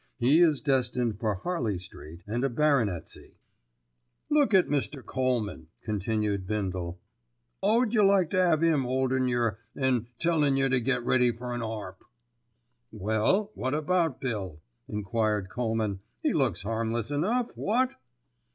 He is destined for Harley Street and a baronetcy. "Look at Mr. Colman," continued Bindle. "'Ow'd jer like to 'ave 'im 'oldin' yer 'and an' tellin' yer to get ready for an 'arp?" "Well, what about Bill?" enquired Colman. "He looks harmless enough—what?"